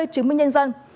hai mươi chứng minh nhân dân